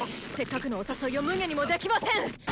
せっかくのお誘いを無下にもできません！